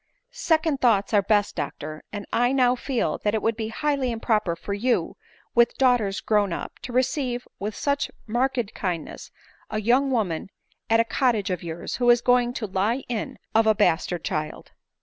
" Second thoughts are best, doctor ; and I now feel that it would be highly improper for you, with daughters grown up, to receive with such marked kindness, a young woman at a .cottage of yours, who is going to lie in of a bastard child."